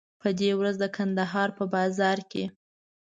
په دې ورځ د کندهار په بازار کې.